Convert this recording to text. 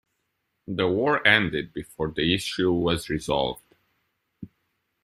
The war ended before the issue was resolved.